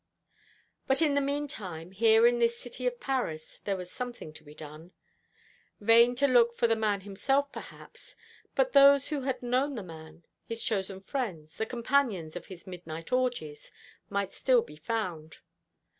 But in the mean time, here in this city of Paris, there was something to be done. Vain to look for the man himself, perhaps; but those who had known the man his chosen friends, the companions of his midnight orgies might still be found.